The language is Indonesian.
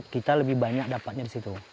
kita lebih banyak dapatnya di situ